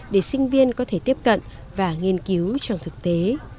để sinh viên có thể tiếp cận và nghiên cứu trong thực tế